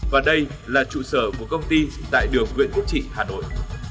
và đây là trụ sở của công ty tại đường nguyễn quốc trị hà nội